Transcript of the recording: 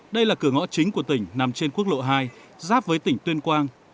đây là cửa ngõ chính của tỉnh nằm trên quốc lộ hai giáp với tỉnh tuyên quang